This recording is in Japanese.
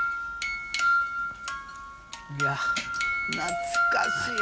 いや懐かしい。